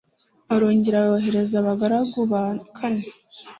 arongera yohereza abagaragu ba kane